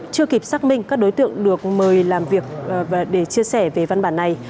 chưa kịp xác minh các đối tượng được mời làm việc để chia sẻ về văn bản này